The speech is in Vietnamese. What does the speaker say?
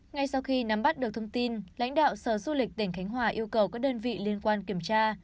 ngay sau khi nắm bắt được thông tin lãnh đạo sở du lịch tỉnh khánh hòa yêu cầu các đơn vị liên quan kiểm tra